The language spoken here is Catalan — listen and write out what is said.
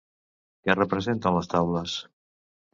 Què representen les taules?